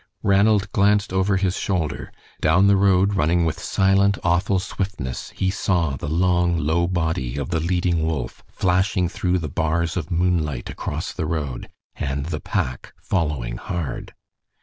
Ranald glanced over his shoulder. Down the road, running with silent, awful swiftness, he saw the long, low body of the leading wolf flashing through the bars of moonlight across the road, and the pack following hard.